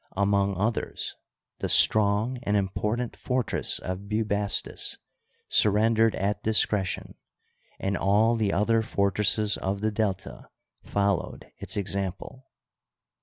Among others, the strong and im portant fortress of Bubastis surrendered at discretion, and all the other fortresses of the Delta followed its example.